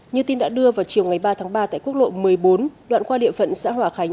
như tin đã đưa vào chiều ngày ba tháng ba tại quốc lộ một mươi bốn đoạn qua địa phận xã hòa khánh